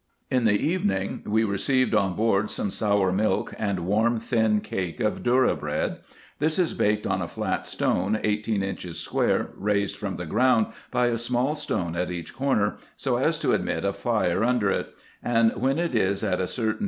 In the evening we received on board some sour milk, and warm thin cake of dhourra bread. This is baked on a flat stone, eighteen inches square, raised from the ground by a small stone at each corner, so as to admit a fire under it ; and when it is at a certain IN EGYPT, NUBIA, &c.